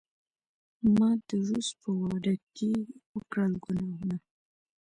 ما د روس په واډکې وکړل ګناهونه